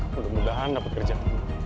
mudah mudahan dapat kerjaan